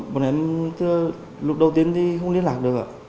bọn em lúc đầu tiên thì không liên lạc được